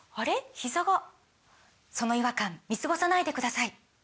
ひざがその違和感見過ごさないでください